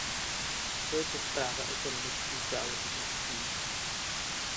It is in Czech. Co je to správa ekonomických záležitostí?